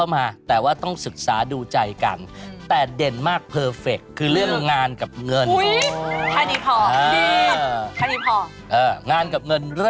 แม้บอกว่าดีมากเลยนะครับ